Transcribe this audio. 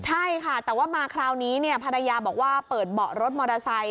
ใช่ค่ะแต่ว่ามาคราวนี้ภรรยาบอกว่าเปิดเบาะรถมอเตอร์ไซค